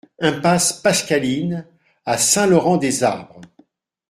Impasse Pascaline à Saint-Laurent-des-Arbres